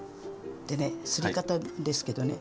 でねすり方ですけどね